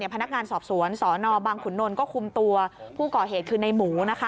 พนักงานสอบสวนสนบังขุนนลก็คุมตัวผู้ก่อเหตุคือในหมู